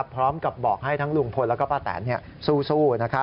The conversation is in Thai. พร้อมกับบอกให้ทั้งลุงพลและป้าแตนสู้